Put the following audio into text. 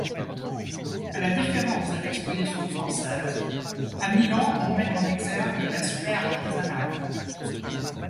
À la différence de l'exposition française, à Milan, on met en exergue l'aspect artisanal.